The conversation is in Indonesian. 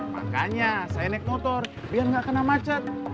makanya saya naik motor biar nggak kena macet